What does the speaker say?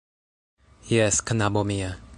Jes, knabo mia.